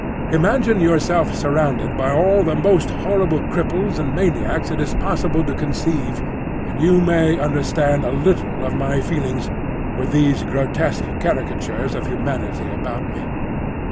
Imagine yourself surrounded by all the most horrible cripples and maniacs it is possible to conceive, and you may understand a little of my feelings with these grotesque caricatures of humanity about me.